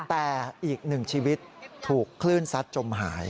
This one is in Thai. แต่อีกหนึ่งชีวิตถูกคลื่นซัดจมหาย